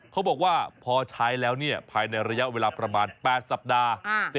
เขาบอกว่าพอใช้แล้วภายในระยะเวลาประมาณ๘สัปดาห์